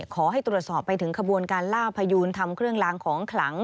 ขอให้ตรวจสอบไปถึงขบวนการล่าพยูนทำเครื่องลางของขลัง